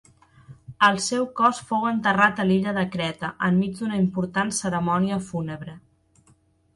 El seu cos fou enterrat a l'illa de Creta enmig d'una important cerimònia fúnebre.